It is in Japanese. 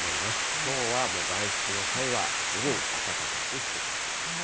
きょうはもう、外出の際は十分暖かくしてください。